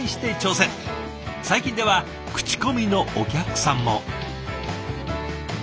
最近では口コミのお客さんも。